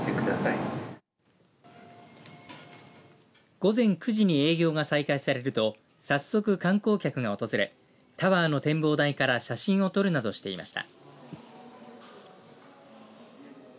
午前９時に営業が再開されると早速、観光客が訪れタワーの展望台から写真を撮るなどしていました。